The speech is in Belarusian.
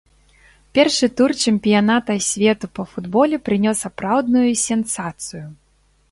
Першы тур чэмпіяната свету па футболе прынёс сапраўдную сенсацыю.